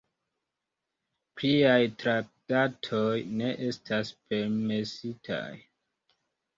Pliaj traktadoj ne estas permesitaj.